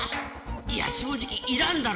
いや正直いらんだろ。